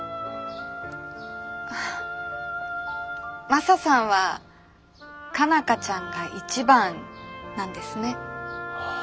マサさんは佳奈花ちゃんが一番なんですね。